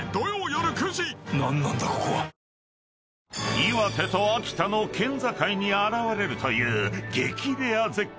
［岩手と秋田の県境に現れるという激レア絶景］